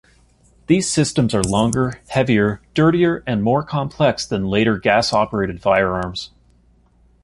These systems are longer, heavier, dirtier and more complex than later gas-operated firearms.